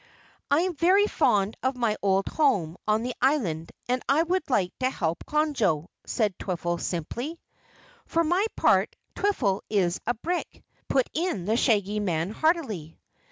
"I am very fond of my old home on the island and I would like to help Conjo," said Twiffle simply. "For my part, Twiffle is a brick," put in the Shaggy Man heartily.